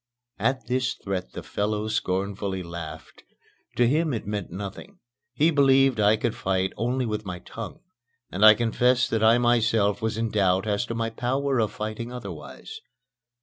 At this threat the fellow scornfully laughed. To him it meant nothing. He believed I could fight only with my tongue, and I confess that I myself was in doubt as to my power of fighting otherwise.